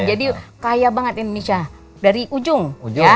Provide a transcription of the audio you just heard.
jadi kaya banget indonesia dari ujung ya